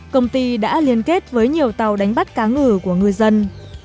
công ty đã liên kết với nhiều tàu đánh bắt cá ngừ của ngư dân